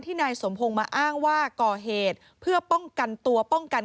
ที่มันก็มีเรื่องที่ดิน